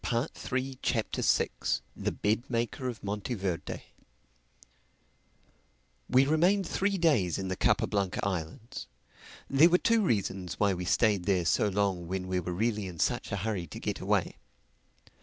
THE SIXTH CHAPTER THE BED MAKER OF MONTEVERDE WE remained three days in the Capa Blanca Islands. There were two reasons why we stayed there so long when we were really in such a hurry to get away.